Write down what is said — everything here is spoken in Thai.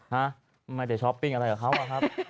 ฮะไม่ได้ช้อปปิ้งอะไรกับเขาอะครับ